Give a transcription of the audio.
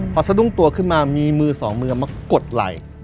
พอสะดุ้งตัวขึ้นมามีมือสองมือมากดไหล่